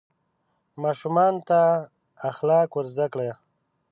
ماشومانو ته اخلاق ور زده کړه.